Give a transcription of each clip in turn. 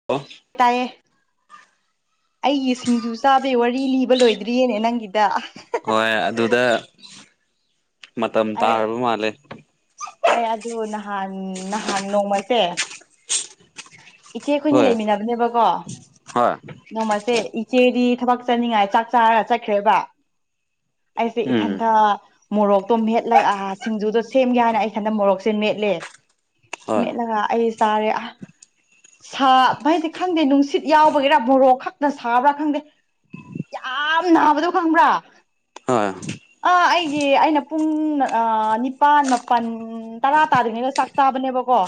[unintelligible] ꯇꯥꯏꯌꯦ ꯑꯩꯒꯤ ꯁꯤꯡꯖꯨ ꯆꯥꯕꯩ ꯋꯥꯔꯤ ꯂꯤꯕ ꯂꯣꯏꯗ꯭ꯔꯤꯌꯦꯅꯦ ꯅꯪꯒꯤꯗ ꯍꯣꯏ ꯑꯗꯨꯗ ꯃꯇꯝ ꯑꯩ ꯇꯥꯔꯕ ꯃꯥꯜꯂꯦ ꯑꯩ ꯑꯗꯨ ꯅꯍꯥꯟ ꯅꯍꯥꯟ ꯅꯣꯡꯃꯁꯦ ꯏꯆꯦ ꯑꯩꯈꯣꯏꯅꯤ ꯍꯣꯏ ꯂꯩꯃꯤꯟꯅꯕꯅꯦꯕꯀꯣ ꯍꯣꯏ ꯅꯣꯡꯃꯁꯦ ꯏꯆꯦꯗꯤ ꯊꯕꯛ ꯆꯠꯅꯤꯡꯉꯥꯏ ꯆꯥꯛ ꯆꯥꯔꯒ ꯆꯠꯈ꯭ꯔꯦꯕ ꯑꯩꯁꯦ ꯎꯝ ꯏꯊꯟꯇ ꯃꯣꯔꯣꯛꯇꯣ ꯃꯦꯠꯂꯒ ꯁꯤꯡꯖꯨꯗꯣ ꯁꯦꯝꯒꯦ ꯍꯥꯏꯅ ꯑꯩ ꯏꯊꯟꯗ ꯃꯣꯔꯣꯛꯁꯦ ꯃꯦꯠꯂꯦ ꯍꯣꯏ ꯃꯦꯠꯂꯒ ꯑꯩ ꯆꯥꯔꯦ ꯑꯥ ꯁꯥꯕ ꯍꯥꯏꯖꯦ ꯈꯪꯗꯦ ꯅꯨꯡꯁꯤꯠ ꯌꯥꯎꯕꯒꯤꯔꯥ ꯃꯣꯔꯣꯛ ꯈꯛꯇ ꯁꯥꯕ꯭ꯔꯥ ꯈꯪꯗꯦ ꯌꯥꯝ ꯅꯥꯕꯗꯣ ꯈꯪꯕ꯭ꯔꯥ ꯍꯣꯏ ꯑꯥ ꯑꯩꯒꯤ ꯑꯩꯅ ꯄꯨꯡ ꯑꯥ ꯅꯤꯄꯥꯥꯟ ꯃꯥ ꯃꯥꯄꯜ ꯇꯔꯥ ꯇꯥꯗ꯭ꯔꯤꯉꯩꯗ ꯆꯥꯛ ꯆꯥꯕꯅꯦꯕꯀꯣ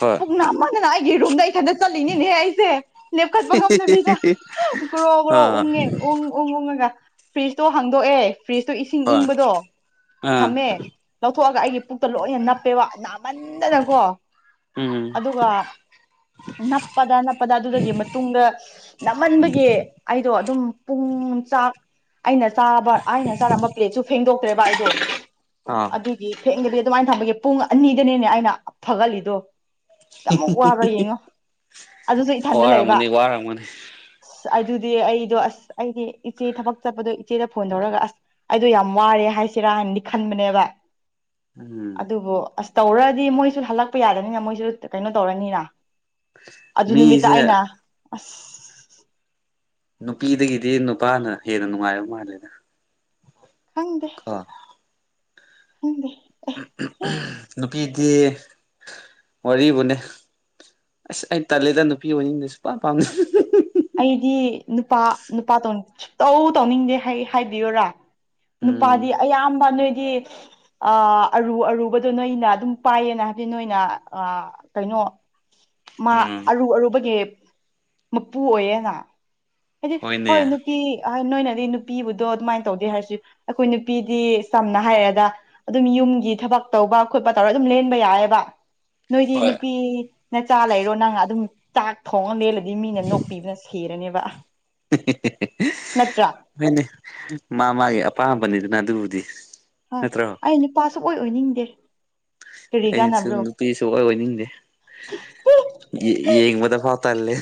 ꯍꯣꯏ ꯄꯨꯛ ꯅꯥꯃꯟꯗꯅ ꯑꯩꯒꯤ ꯔꯨꯝꯗ ꯏꯊꯟꯇ ꯆꯠꯂꯤꯅꯤꯅꯦ ꯑꯩꯁꯦ ꯂꯦꯞꯈꯠꯄ ꯉꯝꯗꯕꯤꯗ ꯒ꯭ꯔꯣ ꯒ꯭ꯔꯣ ꯑꯥ ꯎꯪꯉꯦ ꯎꯪ ꯎꯪ ꯎꯪꯉꯒ ꯐ꯭ꯔꯤꯖꯇꯣ ꯍꯥꯡꯗꯣꯛꯑꯦ ꯐ꯭ꯔꯤꯖꯇꯣ ꯏꯁꯤꯡ ꯍꯣꯏ ꯏꯪꯕꯗꯣ ꯑꯥ ꯊꯝꯃꯦ ꯂꯧꯊꯣꯛꯑꯒ ꯑꯩꯒꯤ ꯄꯨꯛꯇ ꯂꯣꯏꯅ ꯅꯞꯄꯦꯕ ꯅꯥꯃꯟꯗꯅꯀꯣ ꯎꯝ ꯑꯗꯨꯒ ꯅꯞꯄꯗ ꯅꯞꯄꯗ ꯑꯗꯨꯗꯒꯤ ꯃꯇꯨꯡꯗ ꯅꯥꯃꯟꯕꯒꯤ ꯑꯩꯗꯣ ꯑꯗꯨꯝ ꯄꯨꯡ ꯆꯥꯛ ꯑꯩꯅ ꯆꯥꯕ ꯑꯩꯅ ꯆꯥꯔꯝꯕ ꯄ꯭ꯂꯦꯠꯁꯨ ꯐꯦꯡꯗꯣꯛꯇ꯭ꯔꯦꯕ ꯑꯩꯗꯣ ꯑꯥ ꯑꯗꯨꯒꯤ ꯐꯦꯡꯗꯕꯤ ꯑꯗꯨꯃꯥꯏꯅ ꯊꯝꯕꯒꯤ ꯄꯨꯡ ꯑꯅꯤꯗꯅꯤꯅꯦ ꯑꯩꯅ ꯐꯒꯠꯂꯤꯗꯣ ꯑꯃꯨꯛ ꯋꯥꯕ꯭ꯔꯥ ꯌꯦꯡꯉꯣ ꯑꯗꯨꯁꯨ ꯏꯊꯟꯗ ꯂꯩꯕ ꯋꯥꯔꯝꯒꯅꯤ ꯋꯥꯔꯝꯒꯅꯤ ꯑꯗꯨꯗꯤ ꯑꯩꯗꯣ ꯑꯁ ꯑꯩꯒꯤ ꯏꯆꯦ ꯊꯕꯛ ꯆꯠꯄꯗꯣ ꯏꯆꯦꯗ ꯐꯣꯟ ꯇꯧꯔꯒ ꯑꯁ ꯑꯩꯗꯣ ꯌꯥꯝ ꯋꯥꯔꯦ ꯍꯥꯏꯁꯤꯔꯥ ꯍꯥꯏꯅꯗꯤ ꯈꯟꯕꯅꯦꯕ ꯎꯝ ꯑꯗꯨꯕꯨ ꯑꯁ ꯇꯧꯔꯗꯤ ꯃꯣꯏꯁꯨ ꯍꯜꯂꯛꯄ ꯌꯥꯗꯕꯅꯤꯅ ꯃꯣꯏꯁꯨ ꯀꯩꯅꯣ ꯇꯧꯔꯅꯤꯅ ꯑꯗꯨ ꯅꯨꯃꯤꯠꯇ ꯃꯤꯁꯦ ꯑꯩꯅ ꯑꯁ ꯅꯨꯄꯤꯗꯒꯤꯗꯤ ꯅꯨꯄꯥꯅ ꯍꯦꯟꯅ ꯅꯨꯡꯉꯥꯏꯔꯕ ꯃꯥꯜꯂꯦꯗ ꯈꯪꯗꯦ [unintelligible] ꯈꯪꯗꯦ ꯅꯨꯄꯤꯗꯤ ꯋꯥꯔꯤꯕꯨꯅꯦ ꯑꯁ ꯑꯩꯅ ꯇꯜꯂꯦꯗ ꯅꯨꯄꯤ ꯑꯣꯏꯅꯤꯡꯗꯦ ꯁꯨꯡꯄꯥꯝ ꯄꯥꯝ ꯑꯩꯗꯤ ꯅꯨꯄꯥ ꯅꯨꯄꯥ ꯇꯧ ꯁꯨꯇꯧ ꯇꯧꯅꯤꯡꯗꯦ ꯍꯥꯏ ꯍꯥꯏꯕꯤꯌꯨꯔꯥ ꯎꯝ ꯅꯨꯄꯥꯗꯤ ꯑꯌꯥꯝꯕ ꯅꯣꯏꯗꯤ ꯑꯥ ꯑꯔꯨ ꯑꯔꯨꯕꯗꯣ ꯅꯣꯏꯅ ꯑꯗꯨꯝ ꯄꯥꯏꯌꯦꯅ ꯍꯥꯏꯕꯗꯤ ꯅꯣꯏꯅ ꯑꯥ ꯀꯩꯅꯣ ꯃꯥ ꯎꯝ ꯑꯔꯨ ꯑꯔꯨꯕꯒꯤ ꯃꯄꯨ ꯑꯣꯏꯌꯦꯅ ꯍꯥꯏꯗꯤ ꯍꯣꯏꯅꯦ ꯍꯣꯏ ꯅꯨꯞ ꯇꯤ ꯍꯥꯏ ꯅꯣꯏꯅꯗꯤ ꯅꯨꯄꯤꯕꯨꯗꯣ ꯑꯗꯨꯃꯥꯏꯅ ꯇꯧꯗꯦ ꯍꯥꯏꯔꯁꯨ ꯑꯩꯈꯣꯏ ꯅꯨꯄꯤꯗꯤ ꯆꯝꯅ ꯍꯥꯏꯔꯒ ꯑꯗꯨꯝ ꯌꯨꯝꯒꯤ ꯊꯕꯛ ꯇꯧꯕ ꯈꯣꯠꯄ ꯇꯧꯔ ꯑꯗꯨꯝ ꯂꯦꯟꯕ ꯌꯥꯏꯌꯦꯕ ꯅꯣꯏꯗꯤ ꯍꯣꯏ ꯅꯨꯄꯤ ꯅꯆꯥ ꯂꯩꯔꯣ ꯅꯪ ꯑꯗꯨꯝ ꯆꯥꯛ ꯊꯣꯡꯉ ꯂꯦꯜꯂꯤ ꯗꯤ ꯃꯤꯅ ꯅꯣꯛꯄꯤꯕꯅ ꯁꯤꯔꯅꯦꯕ [inaudible] ꯅꯠꯇ꯭ꯔ ꯍꯣꯏꯅꯦ ꯃꯥ ꯃꯥꯒꯤ ꯑꯄꯥꯝꯕꯅꯤꯗꯅ ꯑꯗꯨꯕꯨꯗꯤ ꯍꯣꯏ ꯅꯠꯇ꯭ꯔꯣ ꯑꯩ ꯅꯨꯄꯥ ꯁꯨ ꯑꯣꯏ ꯑꯣꯏꯅꯤꯡꯗꯦ ꯀꯔꯤ ꯑꯩꯁꯨ ꯀꯥꯟꯅꯕ꯭ꯔꯣ ꯅꯨꯄꯤ ꯁꯨ ꯑꯣꯏ ꯑꯣꯏꯅꯤꯡꯗꯦ ꯌꯦ ꯌꯦꯡꯕꯗ ꯐꯥꯎ ꯇꯜꯂꯦ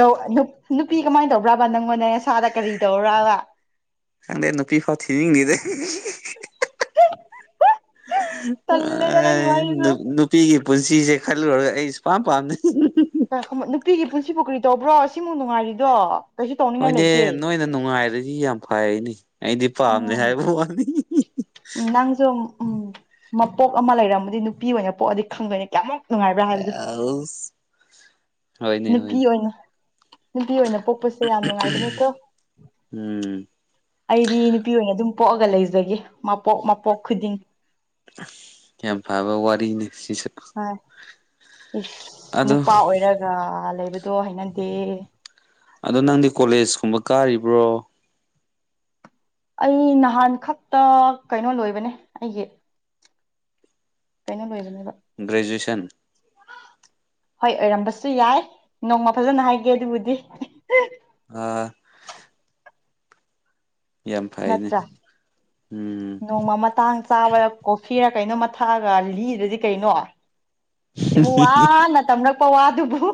ꯅꯨ [unintelligible] ꯅꯨꯄꯤ ꯀꯃꯥꯏꯅ ꯇꯧꯕ꯭ꯔꯥꯕ ꯅꯪꯉꯣꯟꯅꯦ ꯅꯁꯥꯗ ꯀꯔꯤ ꯇꯧꯔꯕ ꯈꯪꯗꯦ ꯅꯨꯄꯤ ꯐꯥꯎ ꯊꯤꯅꯤꯡꯗꯦꯗ ꯇꯜꯂꯦꯗ ꯅꯪꯒꯤ ꯑꯥꯏ ꯋꯥꯔꯤꯁꯨ ꯅꯨꯞ ꯅꯨꯞ ꯄꯤꯒꯤ ꯄꯨꯟꯁꯤꯁꯦ ꯈꯜꯂꯨꯔꯒ ꯑꯩ ꯁꯨꯄꯥꯝ ꯄꯥꯝꯗꯦ ꯅꯨꯄꯤꯒꯤ ꯄꯨꯟꯁꯤꯕꯨ ꯀꯔꯤ ꯇꯧꯕ꯭ꯔꯣ ꯁꯤꯃꯨꯛ ꯅꯨꯡꯉꯥꯏꯔꯤꯗꯣ ꯀꯩꯁꯨ ꯇꯧꯅꯤꯡꯉꯥꯏ ꯍꯣꯏꯅꯦ ꯂꯩꯇꯦ ꯅꯣꯏꯅ ꯅꯨꯡꯉꯥꯏꯔꯗꯤ ꯌꯥꯝ ꯐꯩꯅꯦ ꯑꯩꯗꯤ ꯄꯥꯝꯗꯦ ꯎꯝ ꯍꯥꯏꯕ ꯋꯥꯅꯤ ꯎꯝ ꯅꯪꯁꯨ ꯎꯝ ꯃꯄꯣꯛ ꯑꯃ ꯂꯩꯔꯝꯃꯗꯤ ꯅꯨꯄꯤ ꯑꯣꯏꯅ ꯄꯣꯛꯑꯗꯤ ꯈꯪꯗꯣꯏꯅ ꯀꯌꯥꯃꯨꯛ ꯅꯨꯡꯉꯥꯏꯕ꯭ꯔꯥ ꯍꯥꯏꯕꯗꯨ ꯥꯎ [unintelligible] ꯅꯨꯄꯤ ꯑꯣꯏꯅ ꯅꯨꯄꯤ ꯑꯣꯏꯅ ꯄꯣꯛꯄꯁꯦ ꯌꯥꯝ ꯅꯨꯡꯉꯥꯏꯕꯅꯦꯀꯣ ꯎꯝ ꯑꯩꯗꯤ ꯅꯨꯄꯤ ꯑꯣꯏꯅ ꯑꯗꯨꯝ ꯄꯣꯛꯑꯒ ꯂꯩꯖꯒꯦ ꯃꯄꯣꯛ ꯃꯄꯣꯛ ꯈꯨꯗꯤꯡ ꯌꯥꯝ ꯐꯕ ꯋꯥꯔꯤꯅꯤ ꯁꯤꯁꯨ ꯍꯣꯏ ꯏꯁ ꯑꯗꯣ ꯅꯨꯄꯥ ꯑꯣꯏꯔꯒ ꯂꯩꯕꯗꯣ ꯍꯩꯅꯗꯦ ꯑꯗꯣ ꯅꯪꯗꯤ ꯀꯣꯂꯦꯖꯀꯨꯝꯕ ꯀꯥꯔꯤꯕ꯭ꯔꯣ ꯑꯩ ꯅꯍꯥꯟ ꯈꯛꯇ ꯀꯩꯅꯣ ꯂꯣꯏꯕꯅꯦ ꯑꯩꯒꯤ ꯀꯩꯅꯣ ꯂꯣꯏꯕꯅꯦꯕ ꯒ꯭ꯔꯦꯖꯨꯌꯦꯁꯟ ꯍꯣꯏ ꯑꯣꯏꯔꯝꯕꯁꯨ ꯌꯥꯏ ꯅꯣꯡꯃ ꯐꯖꯅ ꯍꯥꯏꯒꯦ ꯑꯗꯨꯕꯨꯗꯤ ꯑꯥꯥ ꯌꯥꯝ ꯐꯩꯅꯦ ꯅꯠꯇ꯭ꯔꯥ ꯎꯝ ꯅꯣꯡꯃ ꯃꯇꯥꯡ ꯆꯥꯕꯗ ꯀꯣꯐꯤꯔꯥ ꯀꯩꯅꯣꯝꯃ ꯊꯛꯑꯒ ꯂꯤꯗ꯭ꯔꯗꯤ ꯀꯩꯅꯣ ꯨ ꯁꯤꯃꯨꯛ ꯋꯥꯅ ꯇꯝꯔꯛꯄ ꯋꯥꯗꯨꯨꯕꯨ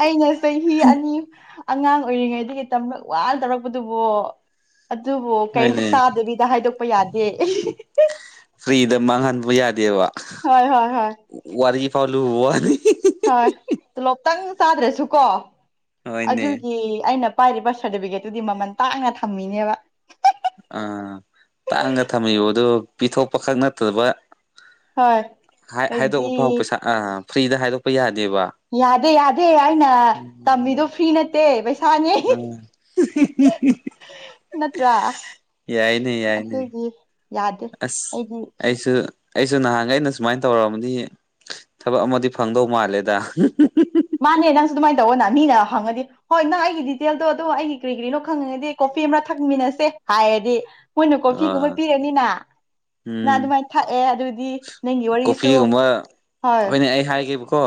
ꯑꯩꯅ ꯆꯍꯤ ꯑꯅꯤ ꯑꯉꯥꯡ ꯑꯣꯏꯔꯤꯉꯩ ꯗꯒꯤ ꯇꯝꯔꯛ ꯋꯥꯅ ꯇꯧꯔꯛꯄꯗꯨꯕꯣ ꯑꯗꯨꯕꯨ ꯀꯩꯝꯇ ꯍꯣꯏꯅꯦ ꯆꯥꯗꯕꯤꯗ ꯍꯥꯏꯗꯣꯛꯄ ꯌꯥꯗꯦ ꯐ꯭ꯔꯤꯗ ꯃꯥꯡꯍꯟꯕ ꯌꯥꯗꯦꯕ ꯍꯣꯏ ꯍꯣꯏ ꯍꯣꯏ ꯋꯥꯔꯤ ꯐꯥꯎꯂꯨ ꯋꯥꯅꯤ ꯍꯣꯏ ꯇꯣꯂꯣꯞꯇꯪ ꯆꯥꯗ꯭ꯔꯁꯨꯀꯣ ꯍꯣꯏꯅꯦ ꯑꯗꯨꯒꯤ ꯑꯩꯅ ꯄꯥꯏꯔꯤꯕ ꯁꯔꯇꯤꯐꯤꯀꯦꯠꯇꯨꯗꯤ ꯃꯃꯟ ꯇꯥꯡꯅ ꯊꯝꯃꯤꯅꯦꯕ ꯑꯥ ꯇꯥꯡꯅꯥ ꯊꯝꯃꯤꯕ ꯑꯗꯨ ꯄꯤꯊꯣꯛꯄꯈꯛ ꯅꯠꯇꯕ ꯍꯣꯏ ꯍꯥ ꯍꯥꯏꯗꯣꯛꯄ ꯐꯥꯎ ꯑꯩꯗꯤ ꯄꯩꯁꯥ ꯑꯥ ꯐ꯭ꯔꯤꯗ ꯍꯥꯏꯗꯣꯛꯄ ꯌꯥꯗꯦꯕ ꯌꯥꯗꯦ ꯌꯥꯗꯦ ꯑꯩꯅ ꯇꯝꯃꯤꯗꯣ ꯐ꯭ꯔꯤ ꯅꯠ ꯇꯦ ꯄꯩꯁꯥꯅꯦ ꯎꯝ ꯅꯠꯇ꯭ꯔꯥ ꯌꯥꯏꯅꯦ ꯌꯥꯏꯅꯦ ꯑꯗꯨꯒꯤ ꯌꯥꯗꯦ ꯑꯁ ꯑꯩꯗꯤ ꯑꯩꯁꯨ ꯑꯩꯁꯨ ꯅꯍꯥꯟꯒꯩꯅ ꯁꯨꯃꯥꯏ ꯇꯧꯔꯃꯗꯤ ꯊꯕꯛ ꯑꯃꯗꯤ ꯐꯪꯗꯧ ꯃꯥꯜꯂꯦꯗ ꯃꯥꯅꯦ ꯅꯪꯁꯨ ꯑꯗꯨꯃꯥꯏ ꯇꯧꯋꯣꯅ ꯃꯤꯅ ꯍꯪꯉꯗꯤ ꯍꯣꯏ ꯅꯪ ꯑꯩꯒꯤ ꯗꯤꯇꯦꯜꯗꯣ ꯑꯗꯨ ꯑꯩꯒꯤ ꯀꯔꯤ ꯀꯔꯤꯅꯣ ꯈꯪꯅꯤꯡꯉꯗꯤ ꯀꯣꯐꯤ ꯑꯃ ꯊꯛꯃꯤꯟꯅꯁꯦ ꯍꯥꯏꯔꯗꯤ ꯃꯣꯏꯅ ꯀꯣꯐꯤꯒꯨꯝꯕ ꯑꯥ ꯄꯤꯔꯅꯤꯅ ꯅꯪ ꯎꯝ ꯑꯗꯨꯃꯥꯏ ꯊꯛꯑꯦ ꯑꯗꯨꯗꯤ ꯅꯪꯒꯤ ꯋꯥꯔꯤꯁꯨ ꯀꯣꯐꯤꯒꯨꯝꯕ ꯍꯣꯏ ꯍꯣꯏꯅꯦ ꯑꯩ ꯍꯥꯏꯒꯦꯕꯀꯣ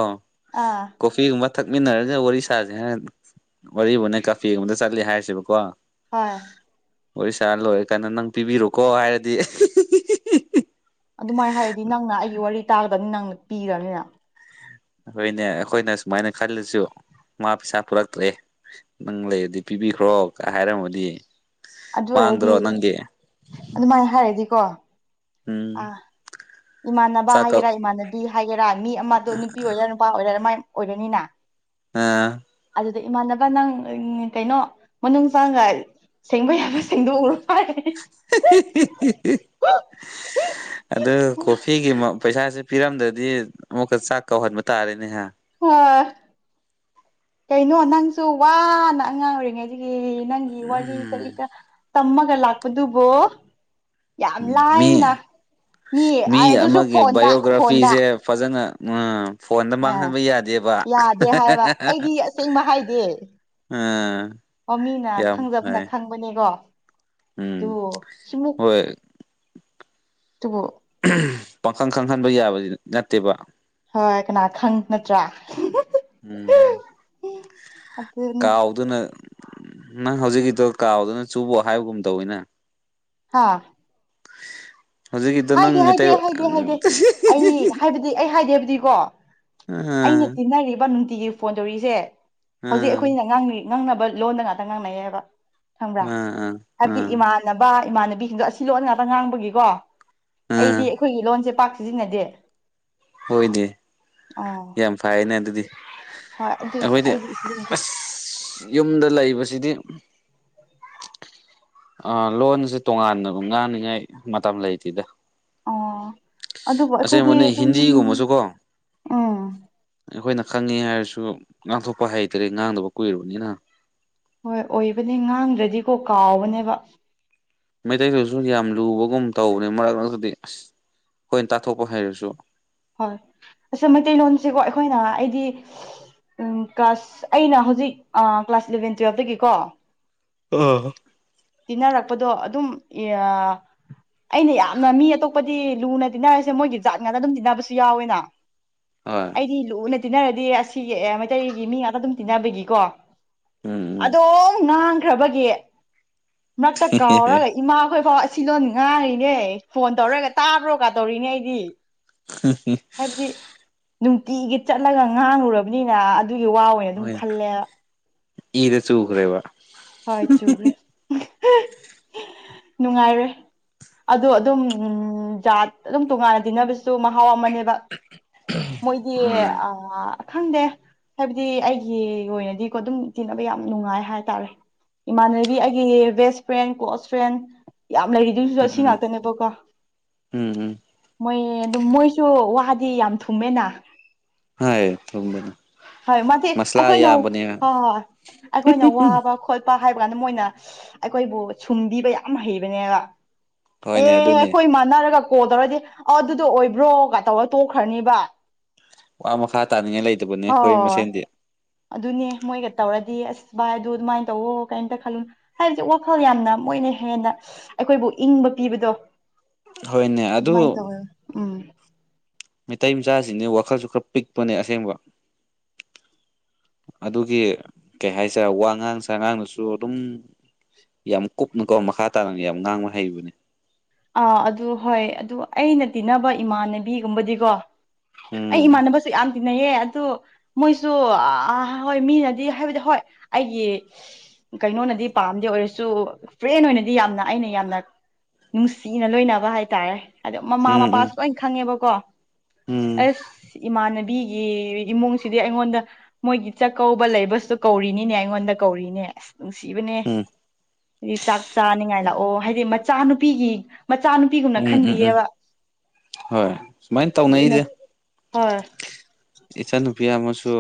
ꯑꯥ ꯐꯤꯒꯨꯝꯕ ꯊꯛꯃꯤꯟꯅꯔꯒ ꯋꯥꯔꯤ ꯁꯥꯥꯖꯦ ꯍꯥꯏꯔ ꯋꯥꯔꯤꯕꯨꯅꯦ ꯀꯥꯐꯦꯒꯨꯝꯕꯗ ꯆꯠꯂꯦ ꯍꯥꯏꯔꯁꯦꯕꯀꯣ ꯍꯣꯏ ꯋꯥꯔꯤ ꯁꯥꯥ ꯂꯣꯏꯔꯀꯥꯟꯗ ꯅꯪ ꯄꯤꯕꯤꯔꯣꯀꯣ ꯍꯥꯏꯔꯗꯤ ꯑꯗꯨꯃꯥꯏ ꯍꯥꯏꯔꯗꯤ ꯅꯪꯅ ꯑꯩꯒꯤ ꯋꯥꯔꯤ ꯇꯥꯒꯗꯕꯅꯤ ꯅꯪꯅ ꯄꯤ [unintelligible] ꯑꯈꯣꯏꯅꯦ ꯑꯩꯈꯣꯏꯅ ꯁꯨꯃꯥꯏꯅ ꯈꯜꯂꯁꯨ ꯃꯥ ꯄꯩꯁꯥ ꯄꯨꯔꯛꯔꯛꯇ꯭ꯔꯦ ꯅꯪ ꯂꯩꯔꯗꯤ ꯄꯤꯕꯤꯈ꯭ꯔꯣ ꯀꯥꯏ ꯍꯥꯏꯔꯝꯃꯗꯤ ꯑꯗꯨ ꯑꯣꯏꯔꯗꯤ ꯃꯥꯡꯗ꯭ꯔꯣ ꯅꯪꯒꯤ ꯑꯗꯨꯃꯥꯏ ꯍꯥꯏꯔꯗꯤꯀꯣ ꯑ ꯎꯝ ꯏꯃꯥꯟꯅꯕ ꯆꯥꯛ ꯀꯧ ꯍꯥꯏꯒꯦꯔꯥ ꯏꯃꯥꯟꯅꯕꯤ ꯍꯥꯏꯒꯦꯔꯥ ꯃꯤ ꯑꯃꯗꯣ ꯅꯨꯄꯤ ꯑꯣꯏꯒꯦꯔꯥ ꯅꯨꯄꯥ ꯑꯣꯏꯔꯥ ꯃꯥꯏ ꯑꯣꯏꯔꯅꯤꯅ ꯑꯥ ꯑꯗꯨꯗ ꯏꯃꯥꯟꯅꯕ ꯅꯪ ꯀꯩꯅꯣ ꯃꯅꯨꯡ ꯆꯪꯉꯒ ꯁꯦꯡꯕ ꯌꯥꯕ ꯁꯦꯡꯗꯣꯛꯎꯔꯣ ꯍꯥꯏ ꯑꯗꯨ ꯀꯣꯐꯤꯒꯤ ꯃ ꯄꯩꯁꯥꯁꯨ ꯄꯤꯔꯝꯗꯗꯤ ꯑꯃꯨꯛꯀ ꯆꯥꯛ ꯀꯧꯍꯟꯕ ꯇꯥꯔꯦꯅꯦꯍ ꯍꯣꯏ ꯀꯩꯅꯣ ꯅꯪꯁꯨ ꯋꯥꯅ ꯑꯉꯥꯡ ꯑꯣꯏꯔꯤꯉꯩꯗꯒꯤ ꯅꯪ ꯒꯤ ꯋꯥꯔꯤ ꯀꯔꯤ ꯀ ꯇꯝꯃꯒ ꯂꯥꯛꯄꯗꯨꯕꯨ ꯌꯥꯝ ꯎꯝ ꯃꯤ ꯂꯥꯏꯅ ꯃꯤ ꯑꯥꯏ ꯑꯗꯨꯁꯨ ꯑꯃꯒꯤ ꯐꯣꯟꯗ ꯐꯣꯟꯗ ꯕꯥꯏꯑꯣꯒ꯭ꯔꯥꯐꯤꯁꯦ ꯐꯖꯅ [unintelligible] ꯑ ꯃꯥꯡꯍꯟꯕ ꯌꯥꯗꯦꯕ ꯌꯥꯗꯦ ꯍꯥꯏꯕ ꯑꯩꯗꯤ ꯑꯁꯦꯡꯕ ꯍꯥꯏꯗꯦ ꯎꯝ ꯑꯣ ꯃꯤꯅ ꯌꯥꯝ ꯈꯪꯖꯕꯅ ꯐꯩ ꯈꯪꯕꯅꯦꯀꯣ ꯑꯗꯨ ꯎꯝ ꯁꯤꯃꯨꯛ ꯍꯣꯏ ꯇꯨꯕꯨ ꯄꯪꯈꯪ ꯈꯪꯍꯟꯕ ꯌꯥꯕꯗꯤ ꯅꯠꯇꯦꯕ ꯍꯣꯏ ꯀꯅꯥ ꯈꯪ ꯅꯠꯇ꯭ꯔꯥ ꯎꯝ ꯑꯗꯨꯅꯤ ꯀꯥꯎꯗꯨꯅ ꯅꯪ ꯍꯧꯖꯤꯛꯀꯤꯗꯨ ꯀꯥꯎꯗꯅ ꯆꯨꯕꯣ ꯍꯥꯏꯕꯒꯨꯝ ꯇꯧꯋꯤꯅ ꯍꯥꯥ ꯍꯧꯖꯤꯛꯀꯤꯗꯣ ꯅꯪ ꯍꯥꯏꯗꯦ ꯃꯩꯇꯩ ꯍꯥꯏꯗꯦ ꯍꯥꯏꯗꯦ ꯍꯥꯏꯗꯦ ꯑꯩ ꯍꯥꯏꯕꯗꯤ ꯑꯩ ꯍꯥꯏꯗꯦꯕꯗꯤꯀꯣ ꯑꯥ ꯑꯩꯅ ꯇꯤꯟꯅꯔꯤꯕ ꯅꯨꯡꯇꯤꯒꯤ ꯐꯣꯟ ꯇꯧꯔꯤꯁꯦ ꯍꯧꯖꯤꯛ ꯑꯥ ꯑꯩꯈꯣꯏꯅꯤꯅ ꯉꯥꯡꯅꯕ ꯂꯣꯟꯗ ꯉꯥꯛꯇ ꯉꯥꯡꯅꯩꯌꯦ ꯍꯥꯏꯕ ꯈꯪꯕ꯭ꯔꯥ ꯑꯥ ꯑꯥ ꯍꯥꯏꯕꯗꯤ ꯑꯥ ꯏꯃꯥꯟꯅꯕ ꯏꯃꯥꯟꯅꯕꯤꯁꯤꯡꯗꯣ ꯑꯁꯤ ꯂꯣꯟ ꯉꯥꯛꯇ ꯉꯥꯡꯕꯒꯤꯀꯣ ꯑꯥ ꯑꯩꯗꯤ ꯑꯩꯈꯣꯏꯒꯤ ꯂꯣꯟꯁꯦ ꯄꯥꯛ ꯁꯤꯖꯤꯟꯅꯗꯦ ꯍꯣꯏꯅꯦ ꯑꯣ ꯌꯥꯝ ꯐꯥꯏꯌꯦꯅꯦ ꯑꯗꯨꯗꯤ ꯍꯣꯏ ꯑꯗꯨ ꯑꯈꯣꯏꯗꯤ ꯑꯩꯗꯤ ꯁꯤꯖꯤꯟꯅꯗꯦ ꯑꯁ ꯌꯨꯝꯗ ꯂꯩꯕꯁꯤꯗꯤ ꯑ ꯂꯣꯟꯖꯦ ꯇꯣꯉꯥꯟꯅ ꯒꯨꯝ ꯉꯥꯡꯅꯤꯉꯥꯏ ꯃꯇꯝ ꯂꯩꯇꯤꯗ ꯑꯣ ꯑꯗꯨꯕꯨ ꯑꯩꯈꯣꯏꯗꯤ ꯑꯁꯦꯡꯕꯅꯤ ꯑꯗꯨꯝ ꯍꯤꯟꯗꯤꯒꯨꯝꯕꯁꯨ ꯀꯣ ꯎꯝ ꯑꯩꯈꯣꯏꯅ ꯈꯪꯉꯦ ꯍꯥꯏꯔꯁꯨ ꯉꯥꯡꯊꯣꯛꯄ ꯍꯩꯇꯔꯤ ꯉꯥꯡꯗꯕ ꯀꯨꯏꯔꯕꯅꯤꯅ꯫ ꯍꯣꯏ ꯑꯣꯏꯕꯅꯤ ꯉꯥꯡꯗ꯭ꯔꯗꯤꯀꯣ ꯀꯥꯎꯕꯅꯦꯕ꯫ ꯃꯩꯇꯩꯗꯨꯁꯨ ꯌꯥꯝ ꯂꯨꯕꯒꯨꯝ ꯇꯧꯕꯅꯤ ꯃꯔꯛ ꯃꯔꯛꯇꯗꯤ ꯑꯁ ꯑꯩꯈꯣꯏꯅ ꯇꯥꯊꯣꯛꯄ ꯍꯩꯔꯁꯨ꯫ ꯍꯣꯏ ꯑꯁꯤ ꯃꯩꯇꯩꯂꯣꯟꯁꯤꯕꯨ ꯑꯩꯈꯣꯏꯅ ꯑꯩꯗꯤ꯫ ꯎꯝ ꯀ꯭ꯂꯥꯁ ꯑꯩꯅ ꯍꯧꯖꯤꯛ ꯀ꯭ꯂꯥꯁ ꯏꯂꯕꯦꯟ ꯇꯨꯌꯦꯜꯐꯇꯒꯤꯀꯣ ꯑꯥ ꯇꯤꯟꯅꯔꯛꯄꯗꯣ ꯑꯗꯨꯝ ꯑꯩꯅ ꯌꯥꯝꯅ ꯃꯤ ꯑꯇꯣꯞꯄꯗꯤ ꯂꯨꯅ ꯇꯤꯟꯅꯔꯁꯦ ꯃꯣꯏꯒꯤ ꯖꯥꯠ ꯉꯥꯗ ꯑꯗꯨꯝ ꯇꯤꯟꯅꯕꯁꯨ ꯌꯥꯎꯋꯦꯅ꯫ ꯍꫭꯏ ꯑꯩꯗꯤ ꯂꯨꯅ ꯇꯤꯟꯅꯔꯗꯤ ꯑꯁꯤꯒꯤ ꯑꯦ ꯃꯩꯇꯩꯒꯤ ꯃꯤ ꯉꯥꯛꯇ ꯑꯗꯨꯝ ꯇꯤꯟꯅꯕꯒꯤꯀꯣ꯫ ꯎꯝ ꯎꯝ ꯑꯗꯣꯝ ꯉꯥꯡꯈ꯭ꯔꯕꯒꯦ ꯃꯔꯛꯇ ꯀꯥꯎꯔ ꯂꯩ ꯏꯃꯥꯈꯣꯏ ꯐꯥꯎ ꯑꯁꯤ ꯂꯣꯟ ꯉꯥꯡꯔꯤꯅꯦ ꯐꯣꯟ ꯇꯧꯔꯒ ꯇꯥꯕ꯭ꯔꯣ ꯀꯥꯗꯧꯔꯤꯅꯦ ꯑꯩꯗꯤ꯫ [unintelligible] ꯍꯗꯤ ꯅꯨꯡꯇꯤꯒꯤ ꯆꯠꯂꯒ ꯉꯥꯡꯉꯨꯔꯕꯅꯤꯅ ꯑꯗꯨꯒꯤ ꯋꯥ ꯑꯣꯏꯅ ꯑꯗꯨꯝ ꯍꯣꯏ ꯈꯜꯂꯦ꯫ ꯏꯗ ꯆꯨꯈ꯭ꯔꯦꯕ꯫ ꯍꯣꯏ ꯆꯨꯕ꯭ꯔꯦ꯫ [inaudible] ꯅꯨꯡꯉꯥꯏꯔꯦ ꯑꯗꯣ ꯑꯗꯨꯝ ꯖꯥꯠ ꯑꯗꯨꯝ ꯇꯣꯉꯥꯟꯅ ꯇꯤꯟꯅꯕꯁ ꯆꯨ ꯃꯍꯥꯎ ꯑꯃꯅꯦꯕ ꯃꯣꯏꯗꯤ ꯎꯝ ꯑ ꯈꯪꯗꯦ꯫ ꯍꯥꯏꯕꯗꯤ ꯑꯩꯒꯤ ꯑꯣꯏꯅꯗꯤꯀꯣ ꯑꯗꯨꯝ ꯇꯤꯟꯅꯕ ꯌꯥꯝ ꯅꯨꯡꯉꯥꯏ ꯍꯥꯏꯇꯥꯔꯦ꯫ ꯏꯃꯥꯟꯅꯕꯤ ꯑꯩꯒꯤ ꯕꯦꯁ ꯐ꯭ꯔꯦꯟ ꯀ꯭ꯂꯣꯁ ꯐ꯭ꯔꯦꯟ ꯌꯥꯝ ꯂꯩꯔꯤꯗꯨꯁꯨ ꯎꯝ ꯑꯁꯤ ꯎꯝ ꯉꯥꯛꯇꯅꯦꯕꯀꯣ꯫ ꯎꯝ ꯎꯝ ꯃꯣꯏ ꯑꯗꯨꯝ ꯃꯣꯏꯁꯨ ꯋꯥꯗꯤ ꯌꯥꯝ ꯊꯨꯝꯃꯦꯅ꯫ ꯍꯣꯏ ꯊꯨꯝꯕꯅꯦ꯫ ꯍꯣꯏ ꯃꯥꯗꯤ ꯑꯩꯈꯣꯏꯅ ꯍꯣꯏ ꯑꯩꯈꯣꯏꯅ ꯋꯥꯕ ꯈꯣꯠꯄ ꯍꯥꯏꯕ ꯀꯥꯟꯗ ꯃꯣꯏꯅ ꯑꯩꯈꯣꯏꯕꯨ ꯁꯨꯝꯕꯤꯕ ꯌꯥꯝ ꯍꯩꯕꯅꯦꯕ꯫ ꯍꯣꯏꯅꯦ ꯑꯦ ꯑꯗꯨꯅꯦ ꯑꯩꯈꯣꯏ ꯃꯥꯟꯅꯔꯒ ꯀꯣꯜ ꯇꯧꯔꯗꯤ ꯑ ꯑꯗꯨꯗꯣ ꯑꯣꯏꯕ꯭ꯔꯣꯒ ꯇꯧꯔ ꯇꯣꯛꯈ꯭ꯔꯅꯤꯕ꯫ ꯋꯥ ꯃꯈꯥ ꯇꯥꯅꯤꯡꯉꯥꯏ ꯂꯩꯗꯕꯅꯦ ꯈꯣꯏ ꯍꯣꯏ ꯃꯁꯦꯟꯗꯤ꯫ ꯑꯗꯨꯅꯦ ꯃꯣꯏꯒ ꯇꯧꯔꯗꯤ ꯑꯁ ꯚꯥꯏ ꯑꯗꯨ ꯑꯗꯨꯃꯥꯏꯅ ꯇꯧꯋꯣ ꯀꯔꯤꯝꯇ ꯈꯜꯂꯨ ꯍꯥꯏꯕꯁꯤ ꯋꯥꯈꯜ ꯌꯥꯝꯅ ꯃꯣꯏꯅ ꯍꯦꯟꯅ ꯑꯩꯈꯣꯏꯕꯨ ꯏꯪꯕ ꯄꯤꯕꯗꯣ꯫ ꯍꯣꯏꯅꯦ ꯑꯗꯨꯃꯥꯏꯅ ꯑꯗꯨ ꯇꯧꯋꯦ ꯎꯝ꯫ ꯃꯩꯇꯩ ꯃꯆꯥꯁꯤꯡꯖꯦ ꯋꯥꯈꯜꯁꯨ ꯈꯔ ꯄꯤꯛꯄꯅꯦ ꯑꯁꯦꯡꯕ꯫ ꯑꯗꯨꯒꯤ ꯀꯩ ꯍꯥꯏꯁꯦꯔ ꯋꯥꯉꯥꯡ ꯁꯥꯉꯥꯡꯗꯨꯁꯨ ꯑꯗꯨꯝ꯫ ꯌꯥꯝ ꯀꯨꯞꯅꯀꯣ ꯃꯈꯥ ꯇꯥꯅ ꯌꯥꯝ ꯉꯥꯡꯕ ꯍꯩꯕꯅꯦ꯫ ꯑꯥ ꯑꯗꯨ ꯍꯣꯏ ꯑꯗꯨ ꯑꯩꯅ ꯇꯤꯟꯅꯕ ꯏꯃꯥꯟꯅꯕꯤꯒꯨꯝꯕꯗꯤꯀꯣ ꯑꯩ ꯎꯝ ꯏꯃꯥꯟꯅꯕ ꯌꯥꯝ ꯇꯤꯟꯅꯩꯌꯦ ꯑꯗꯨ ꯃꯣꯏꯁꯨ ꯑ ꯍꯣꯏ ꯃꯤꯅꯗꯤ ꯍꯥꯏꯕꯗꯤ ꯍꯣꯏ ꯑꯩꯒꯤ ꯀꯩꯅꯣꯅꯗꯤ ꯄꯥꯝꯗꯦ ꯑꯣꯏꯔꯁꯨ ꯐ꯭ꯔꯦꯟ ꯑꯣꯏꯅꯗꯤ ꯌꯥꯝꯅ ꯑꯩꯅ ꯌꯥꯝꯅ ꯅꯨꯡꯁꯤꯅ ꯂꯣꯏꯅꯕ ꯍꯥꯏꯇꯥꯔꯦ ꯑꯗꯣ ꯃꯃꯥ ꯃꯄꯥꯁꯨ ꯎꯝ ꯂꯣꯏ ꯈꯪꯉꯦꯕꯀꯣ ꯎꯝ ꯎꯝ ꯑꯁ ꯏꯃꯥꯟꯅꯕꯤꯒꯤ ꯏꯃꯨꯡꯁꯤꯗꯤ ꯑꯩꯉꯣꯟꯗ ꯃꯣꯏꯒꯤ ꯆꯥꯛꯀꯧꯕ ꯂꯩꯕꯁꯨ ꯀꯧꯔꯤꯅꯤꯅꯦ ꯑꯩꯉꯣꯟꯗ ꯀꯧꯔꯤꯅꯦ ꯑꯁ꯫ ꯅꯨꯡꯁꯤꯕꯅꯦ ꯎꯝ ꯗꯤ ꯆꯥꯛ ꯆꯥꯅꯤꯡꯉꯥꯏ ꯂꯥꯛꯑꯣ ꯍꯥꯏꯗꯤ ꯃꯆꯥꯅꯨꯄꯤꯒꯤ ꯃꯆꯥꯅꯨꯄꯤꯒꯨꯝꯅ ꯎꯝ ꯎꯝ ꯎꯝ ꯈꯟꯕꯤꯌꯦꯕ ꯍꯣꯏ ꯁꯨꯃꯥꯏꯅ ꯂꯨꯅ ꯇꯧꯅꯩꯗ ꯍꯣꯏ꯫ ꯏꯆꯥꯟꯅꯨꯄꯤ ꯑꯃꯁꯨ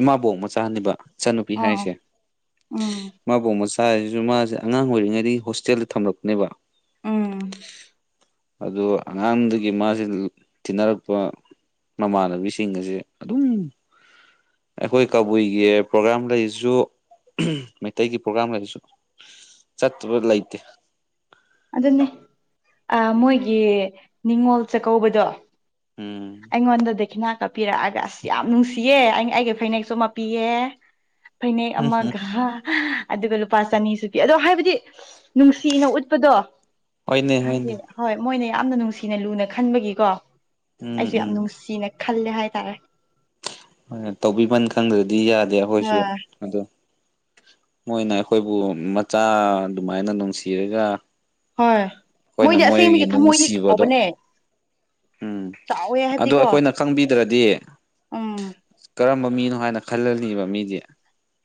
ꯏꯃꯥꯕꯣꯛ ꯃꯆꯥꯥꯅꯦꯕ ꯏꯆꯟꯅꯨꯄꯤ ꯑ ꯍꯥꯏꯁꯦ ꯎꯝ ꯃꯥꯕꯨ ꯃꯆꯥ ꯍꯥꯏꯁꯤꯁꯨ ꯃꯥꯁꯦ ꯑꯉꯥꯡ ꯑꯣꯏꯔꯤꯉꯩꯗꯒꯤ ꯍꯣꯁꯇꯦꯜꯗ ꯊꯝꯂꯛꯄꯅꯦꯕ ꯎꯝ ꯑꯗꯨ ꯑꯉꯥꯡꯗꯨꯒꯤ ꯃꯥꯁꯦ ꯇꯤꯟꯅꯔꯛꯄ ꯃꯃꯥꯟꯅꯕꯤꯁꯤꯡꯒꯁꯦ ꯑꯗꯨꯝ ꯑꯩꯈꯣꯏ ꯀꯕꯨꯏꯒꯤ ꯄ꯭ꯔꯣꯒ꯭ꯔꯥꯝ ꯂꯩꯔꯖꯨ ꯃꯩꯇꯩꯒꯤ ꯄ꯭ꯔꯣꯒ꯭ꯔꯥꯝ ꯂꯩꯔꯁꯨ ꯆꯠꯇꯕ ꯂꯩꯇꯦ ꯑꯗꯨꯅꯤ ꯑꯥ ꯃꯣꯏꯒꯤ ꯅꯤꯡꯉꯣꯜ ꯆꯥꯛꯀꯧꯕꯗꯣ ꯎꯝ ꯑꯩꯉꯣꯟꯗ ꯗꯦꯈꯤꯅ ꯄꯤꯔꯛꯑꯥꯒ ꯑꯁ ꯌꯥꯝ ꯅꯨꯡꯁꯤꯌꯦ ꯑꯩ ꯑꯩꯒꯤ ꯐꯅꯦꯛꯁꯨ ꯑꯃ ꯄꯤꯌꯦ ꯐꯩꯅꯦꯛ ꯎꯝ ꯎꯝ ꯑꯃꯒ ꯑꯗꯨꯒ ꯂꯨꯄꯥ ꯆꯅꯤꯁꯨ ꯄꯤ ꯑꯗꯣ ꯍꯥꯏꯕꯗꯤ ꯅꯨꯡꯁꯤꯅ ꯎꯠ ꯎꯠꯄꯗꯣ ꯍꯣꯏꯅꯦ ꯍꯥꯏꯗꯤ ꯍꯣꯏꯅꯦ ꯍꯣꯏ ꯃꯣꯏꯅ ꯌꯥꯝꯅ ꯅꯨꯡꯁꯤꯅ ꯂꯨꯅ ꯈꯟꯕꯒꯤꯀꯣ ꯎꯝ ꯑꯩꯁꯨ ꯌꯥꯝ ꯎꯝ ꯅꯨꯡꯁꯤꯅ ꯈꯜꯂꯦ ꯍꯥꯏꯇꯥꯔꯦ ꯍꯣꯏ ꯇꯧꯕꯤꯃꯟ ꯈꯪꯗ꯭ꯔꯗꯤ ꯌꯥꯗꯦ ꯑꯩꯈꯣꯏꯁꯨ ꯍꯣꯏ ꯑꯗꯣ ꯃꯣꯏꯅ ꯑꯩꯈꯣꯏꯕꯨ ꯃꯆꯥ ꯑꯗꯨꯃꯥꯏꯅ ꯅꯨꯡꯁꯤꯔꯒ ꯍꯣꯏ ꯑꯈꯣꯏꯅ ꯃꯣꯏꯗꯤ ꯃꯣꯏꯒꯤ ꯑꯁꯦꯡꯕꯒꯤ ꯊꯃꯣꯏꯗꯤ ꯅꯨꯡꯁꯤꯕꯗꯣ ꯆꯥꯎꯕꯅꯦ ꯎꯝ ꯆꯥꯎꯋꯦ ꯑꯗꯣ ꯍꯥꯏꯕꯗꯤꯀꯣ ꯑꯩꯈꯣꯏꯅ ꯈꯪꯕꯤꯗ꯭ꯔꯗꯤ ꯎꯝ ꯀꯔꯝꯕ ꯃꯤꯅꯣ ꯍꯥꯏꯅ ꯈꯜꯂꯅꯤꯕ ꯃꯤꯗꯤ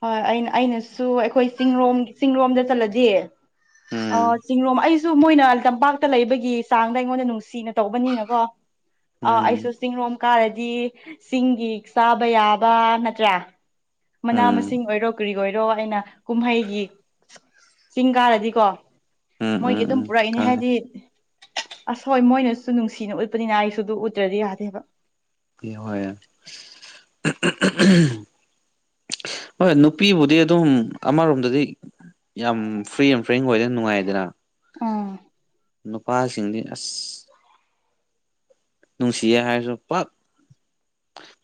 ꯍꯣꯏ ꯑꯩꯅ ꯑꯩꯅꯁꯨ ꯑꯩꯈꯣꯏ ꯆꯤꯡꯔꯣꯝ ꯆꯤꯡꯔꯣꯝꯗ ꯆꯠꯂꯗꯤ ꯎꯝ ꯑꯥ ꯆꯤꯡꯔꯣꯝ ꯑꯩꯁꯨ ꯃꯣꯏꯅ ꯇꯝꯄꯥꯛꯇ ꯂꯩꯕꯒꯤ ꯆꯥꯡꯗ ꯑꯩꯉꯣꯟꯗ ꯅꯨꯡꯁꯤꯅ ꯇꯧꯕꯅꯤꯅꯀꯣ ꯑꯥ ꯎꯝ ꯑꯩꯁꯨ ꯆꯤꯡꯔꯣꯝ ꯀꯥꯔꯗꯤ ꯆꯤꯡꯒꯤ ꯆꯥꯕ ꯌꯥꯕ ꯅꯠꯇ꯭ꯔꯥ ꯃꯅꯥ ꯃꯁꯤꯡ ꯎꯝ ꯑꯣꯏꯔꯣ ꯀꯔꯤ ꯑꯣꯏꯔꯣ ꯑꯩꯅ ꯀꯨꯝꯍꯩꯒꯤ ꯆꯤꯡ ꯀꯥꯔꯗꯤꯀꯣ ꯎꯝ ꯃꯣꯏꯒꯤ ꯎꯝ ꯑꯗꯨꯝ ꯎꯝ ꯄꯨꯔꯛꯏꯅꯦ ꯍꯥꯏꯗꯤ ꯈꯪꯉꯦ ꯑꯁ ꯍꯣꯏ ꯃꯣꯏꯅꯁꯨ ꯅꯨꯡꯁꯤꯅ ꯎꯠꯄꯅꯤꯅ ꯑꯩꯁꯨ ꯑꯗꯨ ꯎꯠꯇ꯭ꯔꯗꯤ ꯌꯥꯗꯦꯕ [unintelligible] ꯍꯣꯏ ꯍꯣꯏ ꯅꯨꯄꯤꯕꯨꯗꯤ ꯑꯗꯨꯝ ꯑꯃꯔꯣꯝꯗꯗꯤ ꯌꯥꯝ ꯐ꯭ꯔꯤ ꯑꯦꯟ ꯐ꯭ꯔꯦꯡ ꯑꯣꯏꯗꯅ ꯅꯨꯡꯉꯥꯏꯗꯅ ꯎꯝ ꯅꯨꯄꯥꯁꯤꯡꯗꯤ ꯑꯁ ꯅꯨꯡꯁꯤꯌꯦ ꯍꯥꯏꯔꯁꯨ ꯄꯥꯛ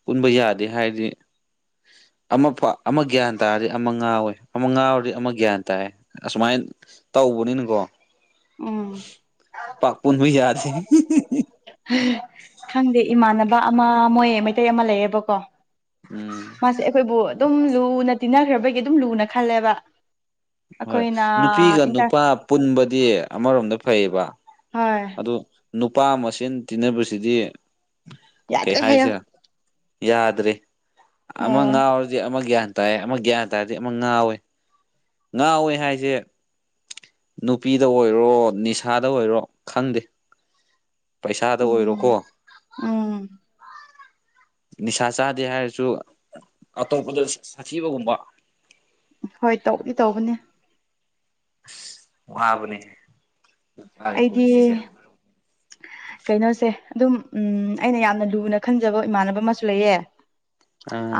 ꯄꯨꯟꯕ ꯌꯥꯗꯦ ꯍꯥꯏꯕꯗꯤ ꯑꯃꯐꯥꯎ ꯑꯃ ꯒ꯭ꯌꯥꯟ ꯇꯥꯔꯗꯤ ꯑꯃ ꯉꯥꯎꯋꯦ ꯑꯃ ꯉꯥꯎꯔꯗꯤ ꯑꯃ ꯒ꯭ꯌꯥꯟ ꯇꯥꯏꯌꯦ ꯑꯁꯨꯃꯥꯏ ꯇꯧꯕꯅꯤꯅꯀꯣ ꯎꯝ ꯄꯥꯛ ꯄꯨꯟꯕ ꯌꯥꯗꯦ ꯈꯪꯗꯦ ꯏꯃꯥꯟꯅꯕ ꯑꯃ ꯃꯣꯏ ꯃꯩꯇꯩ ꯑꯃ ꯂꯩꯌꯦꯕꯀꯣ ꯎꯝ ꯃꯥꯁꯦ ꯑꯈꯣꯏꯕꯨ ꯑꯗꯨꯝ ꯂꯨꯅ ꯇꯤꯟꯅꯈ꯭ꯔꯕꯒꯤ ꯑꯗꯨꯝ ꯂꯨꯅ ꯈꯜꯂꯦꯕ ꯍꯣꯏ ꯑꯩꯈꯣꯏꯅ ꯅꯨꯄꯤꯒ ꯏꯟꯇꯔ ꯅꯨꯄꯥ ꯄꯨꯟꯕꯗꯤ ꯑꯃꯔꯣꯝꯗ ꯐꯩꯌꯦꯕ ꯍꯣꯏ ꯑꯗꯨ ꯅꯨꯄꯥ ꯃꯁꯦꯟ ꯇꯤꯟꯅꯕꯁꯤꯗꯤ ꯀꯩ ꯌꯥꯗ꯭ꯔꯦ ꯍꯥꯏꯌꯣ ꯍꯥꯏꯁꯤꯔ ꯌꯥꯗ꯭ꯔꯦ ꯑꯃ ꯑꯣ ꯉꯥꯎꯔꯗꯤ ꯑꯃ ꯒ꯭ꯌꯥꯟ ꯇꯥꯏ ꯑꯃ ꯒ꯭ꯌꯥꯟ ꯇꯥꯔꯗꯤ ꯑꯃ ꯉꯥꯎꯋꯦ ꯉꯥꯥꯎꯋꯦ ꯍꯥꯏꯁꯦ ꯅꯨꯄꯤꯗ ꯑꯣꯏꯔꯣ ꯅꯤꯁꯥꯗ ꯑꯣꯏꯔꯣ ꯈꯪꯗꯦ ꯄꯩꯁꯥꯗ ꯑꯣꯏꯔꯣꯀꯣ ꯎꯝ ꯎꯝ ꯅꯤꯁꯥ ꯆꯥꯗꯦ ꯍꯥꯏꯔꯁꯨ ꯑꯇꯣꯞꯄꯗ ꯁꯥꯊꯤꯕꯒꯨꯝꯕ ꯍꯣꯏ ꯇꯧꯗꯤ ꯇꯧꯕꯅꯦ ꯏꯁ ꯋꯥꯕꯅꯦ ꯃꯥꯒꯤ ꯑꯩꯗꯤ ꯄꯨꯟꯁꯤꯁꯦ [inaudible] ꯀꯩꯅꯣꯁꯦ ꯑꯗꯨꯝ ꯎꯝ ꯑꯩꯅ ꯌꯥꯝꯅ ꯂꯨꯅ ꯈꯟꯖꯕ ꯏꯃꯥꯟꯅꯕ ꯑꯃꯁꯨ ꯂꯩꯌꯦ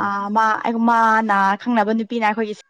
ꯑ ꯃꯥ ꯑꯩ ꯃꯥꯅ ꯈꯪꯅꯕ ꯅꯨꯄꯤꯅ ꯑꯩꯈꯣꯏꯒꯤ